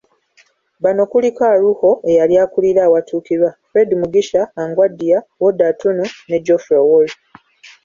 Bano kuliko; Aruho, eyali akulira awatuukirwa Fred Mugisha, Anguadia, Warder Atunu ne Geoffrey Owori.